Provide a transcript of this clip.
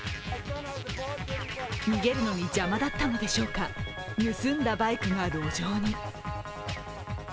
逃げるのに邪魔だったのでしょうか、盗んだバイクが路上に。